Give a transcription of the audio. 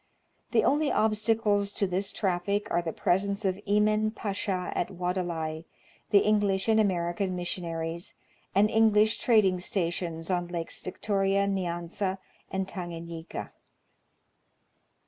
The only obstacles to this traflUc are the pres ence of Emin Pacha at Wadelai, the English and American missionaries, and English trading stations on Lakes Victoria Nyanza and Tanganyika.